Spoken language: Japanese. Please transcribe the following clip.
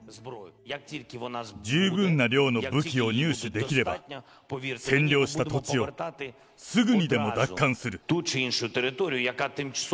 十分な量の武器を入手できれば、占領した土地を、すぐにでも奪還する。